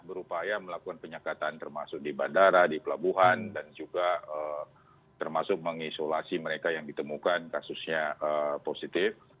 berupaya melakukan penyekatan termasuk di bandara di pelabuhan dan juga termasuk mengisolasi mereka yang ditemukan kasusnya positif